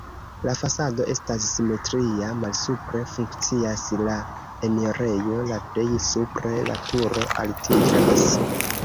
La fasado estas simetria, malsupre funkcias la enirejo, la plej supre la turo altiĝas.